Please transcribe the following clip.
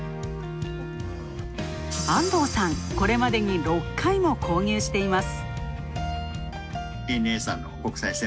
安藤さん、これまでに６回も購入しています。